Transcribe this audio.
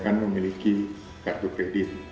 kan memiliki kartu kredit